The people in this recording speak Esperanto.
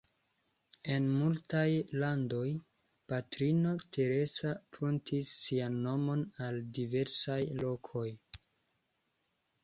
En multaj landoj, Patrino Teresa pruntis sian nomon al diversaj lokoj.